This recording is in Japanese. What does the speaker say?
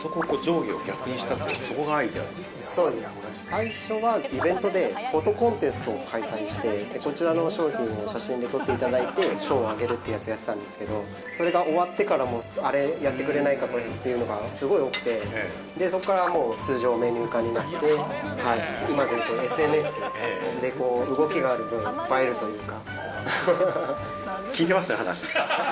最初はイベントでフォトコンテストを開催して商品を写真で撮っていただいて賞をあげるってやっていたんですけれど、終わってからもあれをやってくれないかというのが多くて、そこから通常メニュー化になって、ＳＮＳで動きがあって映えるというか。